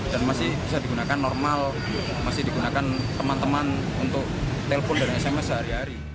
dan masih bisa digunakan normal masih digunakan teman teman untuk telepon dan sms sehari hari